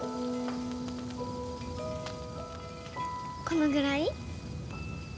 このぐらい？